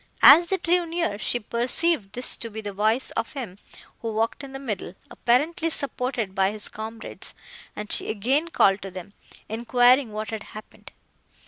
As they drew near, she perceived this to be the voice of him, who walked in the middle, apparently supported by his comrades; and she again called to them, enquiring what had happened.